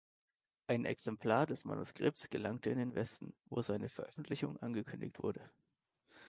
Ein Exemplar des Manuskripts gelangte in den Westen, wo seine Veröffentlichung angekündigt wurde.